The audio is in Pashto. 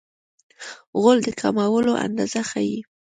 غول د کولمو اندازه ښيي.